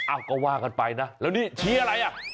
อ่ะก็ว่ากันไปนะแล้วนี่ชี้อะไรอ่ะ